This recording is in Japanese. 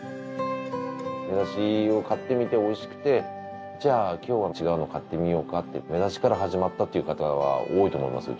めざしを買ってみておいしくてじゃあ今日は違うのを買ってみようかってめざしから始まったっていう方は多いと思いますよ。